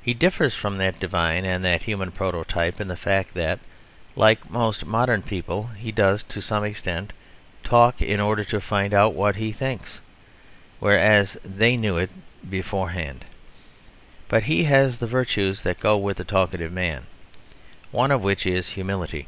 He differs from that divine and that human prototype in the fact that, like most modern people, he does to some extent talk in order to find out what he thinks; whereas they knew it beforehand. But he has the virtues that go with the talkative man; one of which is humility.